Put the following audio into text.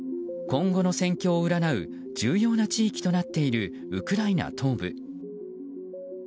今後の戦況を占う重要な地域となっているウクライナ東部。